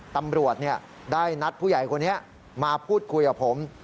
ตำรวจได้นัดผู้ใหญ่คนนี้มาพูดคุยกับผม